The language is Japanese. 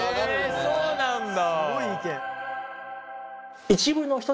へえそうなんだ。